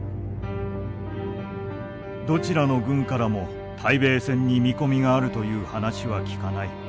「どちらの軍からも対米戦に見込みがあるという話は聞かない。